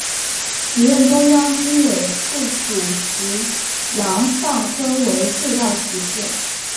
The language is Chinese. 时任中央军委副主席杨尚昆为隧道题字。